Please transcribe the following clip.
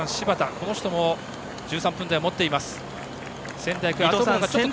この人も１３分台を持っています。